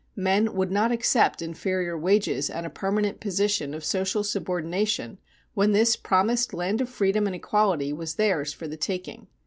Men would not accept inferior wages and a permanent position of social subordination when this promised land of freedom and equality was theirs for the taking.